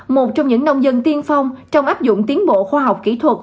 một trong những nông dân tiên phong trong áp dụng tiến bộ khoa học kỹ thuật